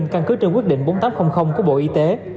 căn cứ trên quyết định bốn nghìn tám trăm linh của bộ y tế